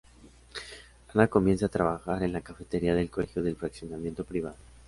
Ana comienza a trabajar en la cafetería del colegio del fraccionamiento privado.